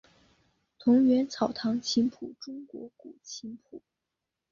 桐园草堂琴谱中国古琴谱。